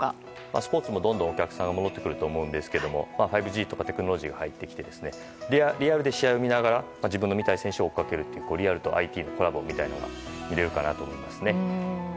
スポーツもどんどんお客さんが戻ってくると思うんですが５Ｇとかテクノロジーが入ってきてリアルで試合を見ながら自分の見たい選手を応援しながらＩＴとリアルのコラボが見れるかなと思いますね。